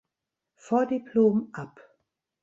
Vordiplom ab.